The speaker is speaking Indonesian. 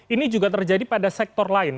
ini juga terjadi pada sektor lain